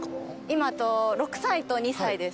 今６歳と２歳です。